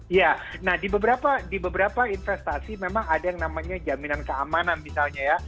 iya nah di beberapa investasi memang ada yang namanya jaminan keamanan misalnya ya